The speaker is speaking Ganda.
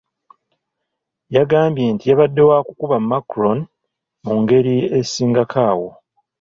Yagambye nti yabadde wa kukuba Macron mu ngeri esingako awo.